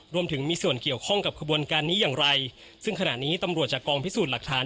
รวมถึงมีส่วนเกี่ยวข้องกับขบวนการนี้อย่างไรซึ่งขณะนี้ตำรวจจากกองพิสูจน์หลักฐาน